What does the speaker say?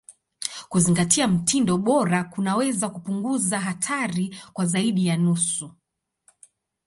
Kuzingatia mtindo bora kunaweza kupunguza hatari kwa zaidi ya nusu.